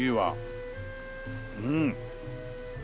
うん。